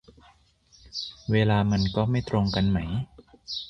เวลามันก็ไม่ตรงกันไหม